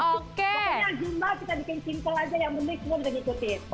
pokoknya jumlah kita bikin simple aja yang bener semua kita ikutin